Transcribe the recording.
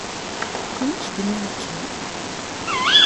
Melmi k-d-nniɣ akka?